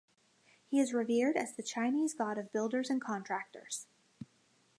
He is revered as the Chinese god of builders and contractors.